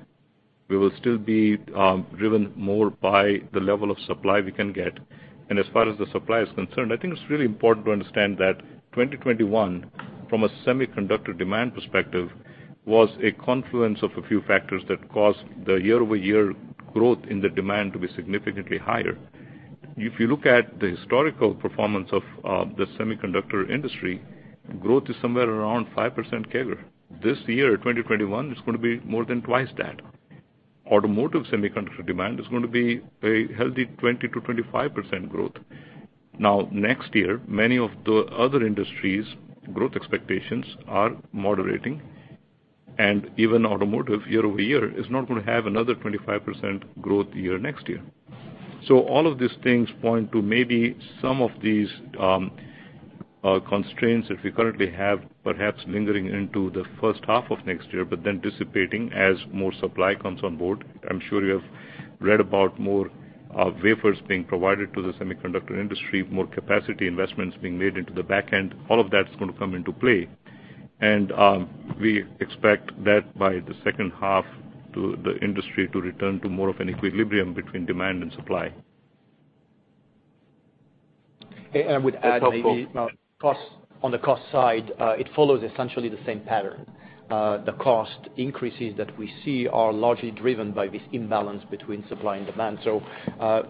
We will still be driven more by the level of supply we can get. As far as the supply is concerned, I think it's really important to understand that 2021, from a semiconductor demand perspective, was a confluence of a few factors that caused the year-over-year growth in the demand to be significantly higher. If you look at the historical performance of the semiconductor industry, growth is somewhere around 5% CAGR. This year, 2021, it's going to be more than twice that. Automotive semiconductor demand is going to be a healthy 20%-25% growth. Next year, many of the other industries' growth expectations are moderating, and even automotive year-over-year is not going to have another 25% growth year next year. All of these things point to maybe some of these constraints that we currently have, perhaps lingering into the first half of next year, but then dissipating as more supply comes on board. I'm sure you have read about more wafers being provided to the semiconductor industry, more capacity investments being made into the back end. All of that's going to come into play, and we expect that by the second half, the industry to return to more of an equilibrium between demand and supply. I would add maybe— [inaudible] —on the cost side, it follows essentially the same pattern. The cost increases that we see are largely driven by this imbalance between supply and demand.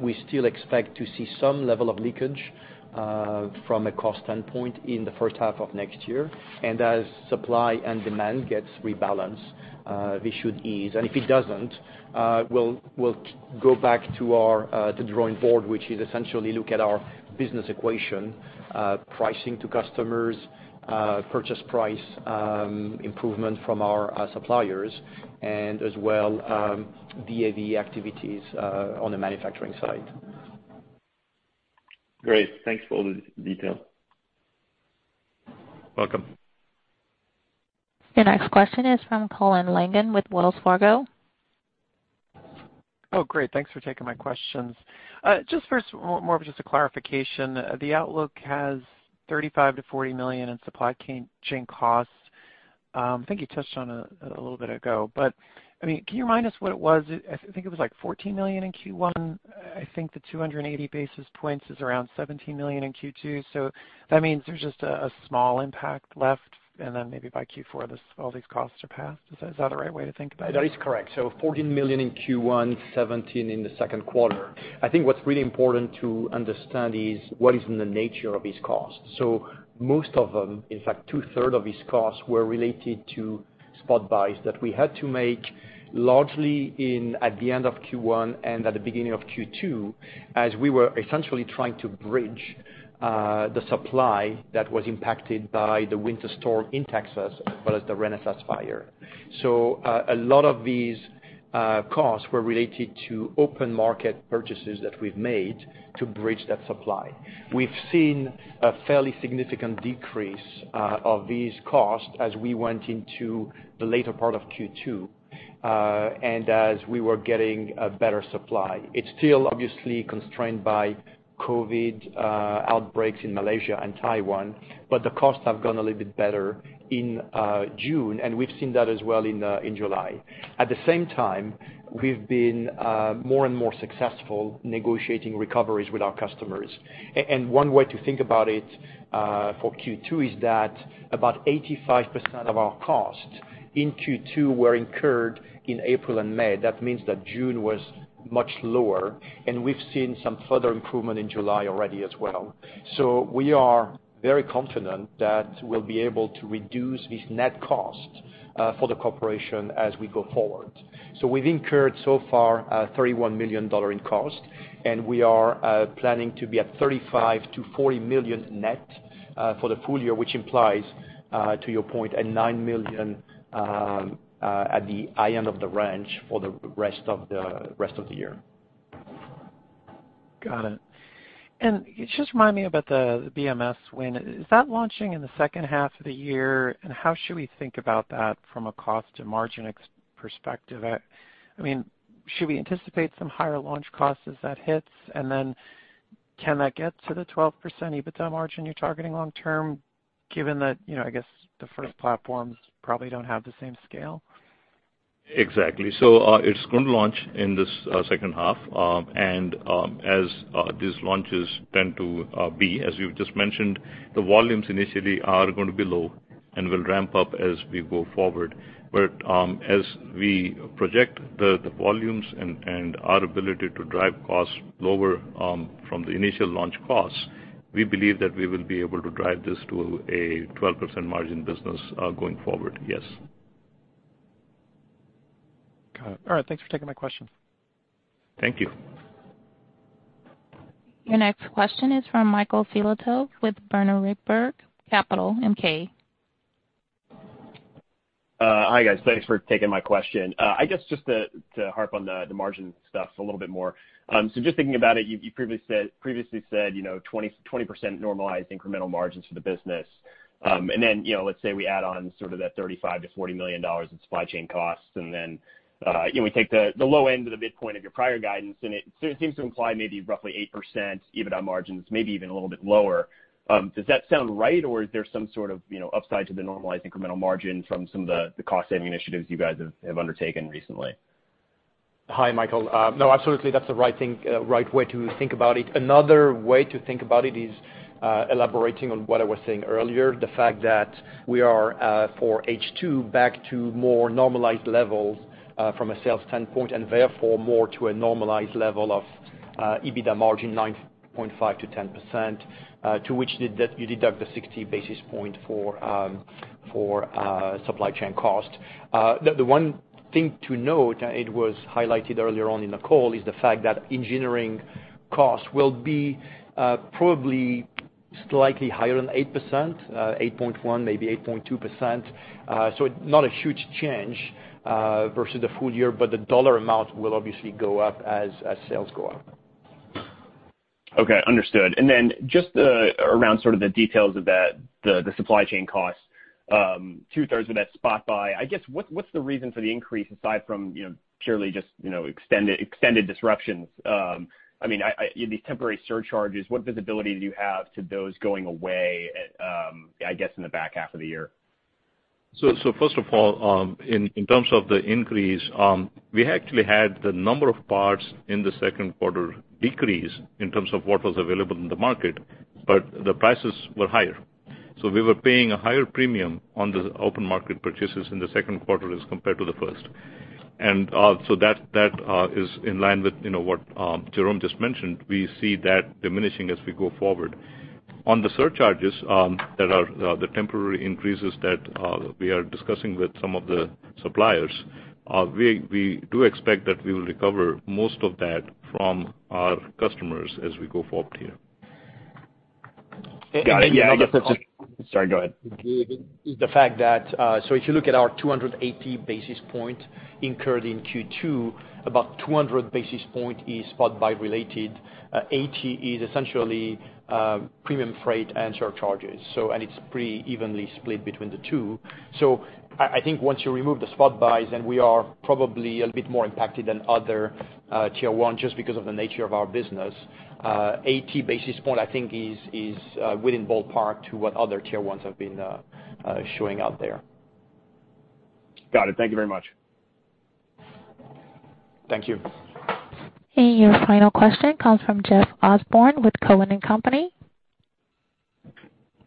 We still expect to see some level of leakage from a cost standpoint in the first half of next year. As supply and demand gets rebalanced, this should ease. If it doesn't, we'll go back to the drawing board, which is essentially look at our business equation, pricing to customers, purchase price improvement from our suppliers, and as well, VA/VE activities on the manufacturing side. Great. Thanks for all the detail. Welcome. The next question is from Colin Langan with Wells Fargo. Oh, great. Thanks for taking my questions. Just first, more of just a clarification. The outlook has $35 million-$40 million in supply chain costs. I think you touched on it a little bit ago, but can you remind us what it was? I think it was like $14 million in Q1. I think the 280 basis points is around $17 million in Q2, so that means there's just a small impact left, and then maybe by Q4, all these costs are passed. Is that the right way to think about it? That is correct. $14 million in Q1, $17 in the second quarter. I think what's really important to understand is what is in the nature of these costs. Most of them, in fact, two-thirds of these costs were related to spot buys that we had to make largely at the end of Q1 and at the beginning of Q2, as we were essentially trying to bridge the supply that was impacted by the winter storm in Texas as well as the Renesas fire. A lot of these costs were related to open market purchases that we've made to bridge that supply. We've seen a fairly significant decrease of these costs as we went into the later part of Q2, and as we were getting a better supply. It's still obviously constrained by COVID outbreaks in Malaysia and Taiwan, but the costs have gone a little bit better in June, and we've seen that as well in July. At the same time, we've been more and more successful negotiating recoveries with our customers. One way to think about it for Q2 is that about 85% of our costs in Q2 were incurred in April and May. That means that June was much lower, and we've seen some further improvement in July already as well. We are very confident that we'll be able to reduce these net costs for the corporation as we go forward. We've incurred so far $31 million in costs, and we are planning to be at $35 million-$40 million net for the full year, which implies, to your point, $9 million at the high end of the range for the rest of the year. Got it. Just remind me about the BMS win. Is that launching in the second half of the year? How should we think about that from a cost to margin perspective? Should we anticipate some higher launch costs as that hits? Can that get to the 12% EBITDA margin you're targeting long term, given that, I guess the first platforms probably don't have the same scale? Exactly. It's going to launch in this second half. As these launches tend to be, as you've just mentioned, the volumes initially are going to be low and will ramp up as we go forward. As we project the volumes and our ability to drive costs lower from the initial launch costs, we believe that we will be able to drive this to a 12% margin business going forward, yes. Got it. All right. Thanks for taking my question. Thank you. Your next question is from Michael Filatov with Berenberg Capital Markets. Hi, guys. Thanks for taking my question. I guess just to harp on the margin stuff a little bit more. Just thinking about it, you previously said 20% normalized incremental margins for the business. Let's say we add on sort of that $35 million-$40 million in supply chain costs, we take the low end of the midpoint of your prior guidance, and it seems to imply maybe roughly 8% EBITDA margins, maybe even a little bit lower. Does that sound right, or is there some sort of upside to the normalized incremental margin from some of the cost-saving initiatives you guys have undertaken recently? Hi, Michael. No, absolutely, that's the right way to think about it. Another way to think about it is, elaborating on what I was saying earlier, the fact that we are, for H2, back to more normalized levels, from a sales standpoint, and therefore more to a normalized level of EBITDA margin, 9.5%-10%, to which you deduct the 60 basis points for supply chain cost. The one thing to note, it was highlighted earlier on in the call, is the fact that engineering costs will be probably slightly higher than 8%, 8.1%, maybe 8.2%. Not a huge change versus the full year, but the dollar amount will obviously go up as sales go up. Okay, understood. Then just around the details of the supply chain costs, 2/3 of that spot buy, I guess, what's the reason for the increase aside from purely just extended disruptions? These temporary surcharges, what visibility do you have to those going away, I guess, in the back half of the year? First of all, in terms of the increase, we actually had the number of parts in the second quarter decrease in terms of what was available in the market, but the prices were higher. We were paying a higher premium on the open market purchases in the second quarter as compared to the first. That is in line with what Jerome just mentioned. We see that diminishing as we go forward. On the surcharges, the temporary increases that we are discussing with some of the suppliers, we do expect that we will recover most of that from our customers as we go forward here. Got it. Yeah, I guess. Sorry, go ahead. If you look at our 280 basis point incurred in Q2, about 200 basis point is spot buy related. 80 is essentially premium freight and surcharges, and it's pretty evenly split between the two. I think once you remove the spot buys, and we are probably a bit more impacted than other Tier 1 just because of the nature of our business, 80 basis point, I think is within ballpark to what other Tier 1s have been showing out there. Got it. Thank you very much. Thank you. Your final question comes from Jeff Osborne with Cowen and Company.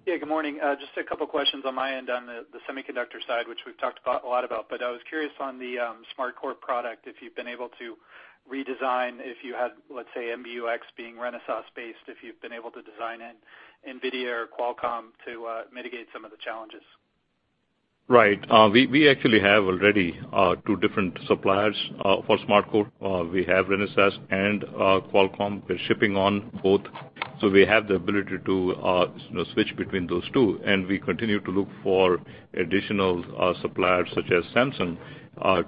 Yeah, good morning. Just a couple questions on my end on the semiconductor side, which we've talked a lot about, but I was curious on the SmartCore product, if you've been able to redesign, if you had, let's say, MBUX being Renesas based, if you've been able to design in NVIDIA or Qualcomm to mitigate some of the challenges? Right. We actually have already two different suppliers for SmartCore. We have Renesas and Qualcomm. We're shipping on both. We have the ability to switch between those two, and we continue to look for additional suppliers, such as Samsung,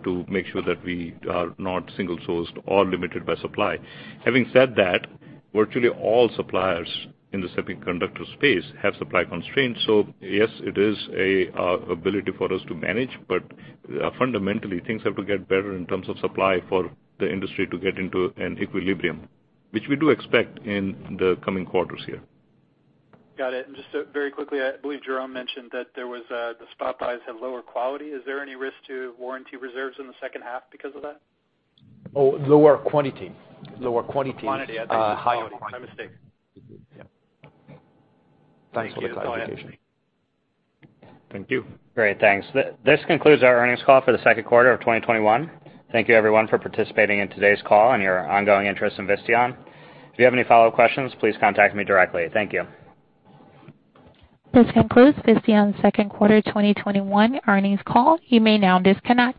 to make sure that we are not single sourced or limited by supply. Having said that, virtually all suppliers in the semiconductor space have supply constraints. Yes, it is an ability for us to manage, but fundamentally, things have to get better in terms of supply for the industry to get into an equilibrium, which we do expect in the coming quarters here. Got it. Just very quickly, I believe Jerome mentioned that the spot buys have lower quality. Is there any risk to warranty reserves in the second half because of that? Oh, lower quantity. Quantity. I thought you said quality. My mistake. Yeah. Thanks for the clarification. Thank you. That's all I had for me. Thank you. Great. Thanks. This concludes our earnings call for the second quarter of 2021. Thank you everyone for participating in today's call and your ongoing interest in Visteon. If you have any follow-up questions, please contact me directly. Thank you. This concludes Visteon's Second Quarter 2021 Earnings Call. You may now disconnect.